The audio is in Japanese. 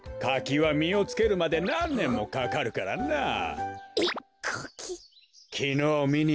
かきはみをつけるまでなんねんもかかるからな。